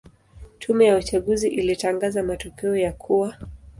Tume ya uchaguzi ilitangaza matokeo ya kuwa